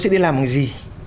sẽ đi làm bằng gì